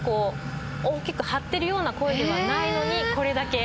大きく張ってるような声ではないのにこれだけ。